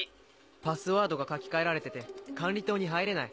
パスワードが書き換えられてて管理棟に入れない。